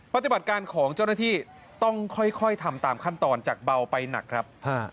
ปฏิบัติการของเจ้าหน้าที่ต้องค่อยทำตามขั้นตอนจากเบาไปหนักครับ